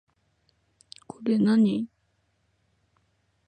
これ何